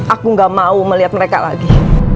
aku gak mau melihat mereka lagi